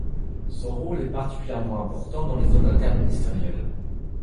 Son rôle est particulièrement important dans les zones interministérielles.